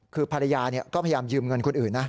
คือภรรยาก็พยายามยืมเงินคนอื่นนะ